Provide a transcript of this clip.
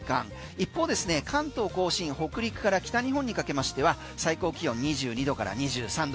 一方ですね関東・甲信北陸から北日本にかけましては最高気温２２度から２３度。